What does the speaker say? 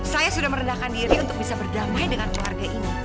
saya sudah merendahkan diri untuk bisa berdamai dengan keluarga ini